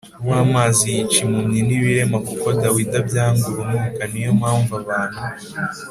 W amazic yice impumyi n ibirema kuko dawidi abyanga urunuka ni yo mpamvu abantu